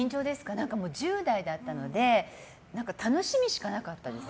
１０代だったので楽しみしかなかったです。